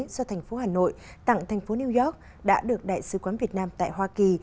do thành phố hà nội tặng thành phố new york đã được đại sứ quán việt nam tại hoa kỳ